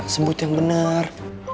sebut yang bener